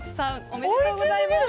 おめでとうございます。